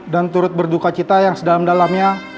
dan turut berduka cita yang sedalam dalamnya